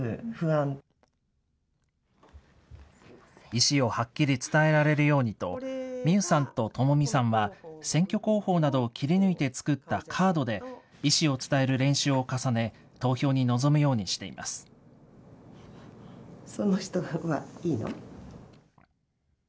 意思をはっきり伝えられるようにと、美優さんと智美さんは、選挙公報などを切り抜いて作ったカードで意思を伝える練習を重ね、その人がいいの？